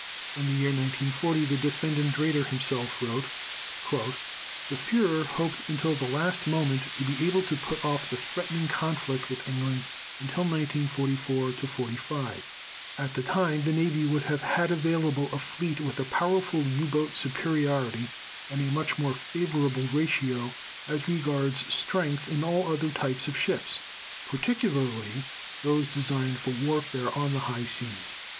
In the year 1940 the Defendant Raeder himself wrote: "The Führer hoped until the last moment to be able to put off the threatening conflict with England until 1944 45. At that time, the Navy would have had available a fleet with a powerful U boat superiority, and a much more favorable ratio as regards strength in all other types of ships, particularly those designed for warfare on the High Seas."